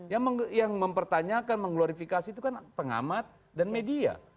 yang mempertanyakan mengglorifikasi itu kan pengamat dan media